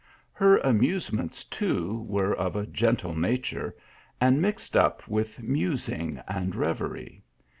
Her amusements, too, were of a gentle na ture, and mixed up with musing and reverie.